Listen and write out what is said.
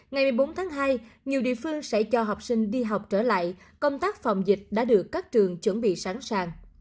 ngày một mươi bốn tháng hai nhiều địa phương sẽ cho học sinh đi học trở lại công tác phòng dịch đã được các trường chuẩn bị sẵn sàng